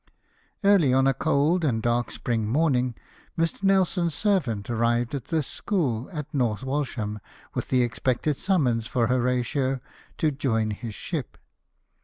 Early on a cold and dark spring morning Mr. Nelson's servant arrived at this school at North Walsham with the expected summons for Horatio to B 2 4 LIFE OF NELSON. j^oin his ship.